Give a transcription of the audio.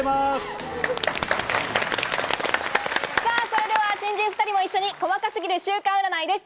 それでは新人２人も一緒に細かすぎる週間占いです。